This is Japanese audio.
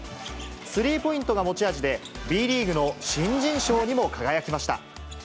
スリーポイントが持ち味で、Ｂリーグの新人賞にも輝きました。